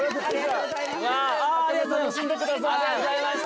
ありがとうございます。